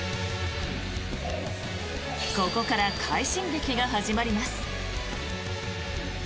ここから快進撃が始まります。